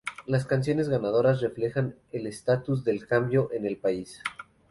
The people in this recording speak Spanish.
Las canciones ganadoras reflejaron el estatus del cambio en el país.